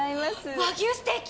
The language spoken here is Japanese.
和牛ステーキ！？